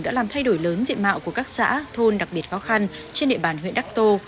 đã làm thay đổi lớn diện mạo của các xã thôn đặc biệt khó khăn trên địa bàn huyện đắc tô